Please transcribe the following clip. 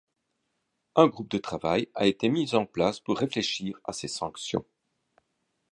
Un groupe de travail a été mis en place pour réfléchir à ces sanctions.